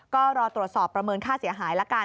ก็รอตรวจสอบประเมินค่าเสียหายละกัน